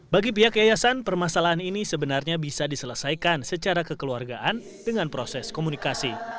bagi pihak yayasan permasalahan ini sebenarnya bisa diselesaikan secara kekeluargaan dengan proses komunikasi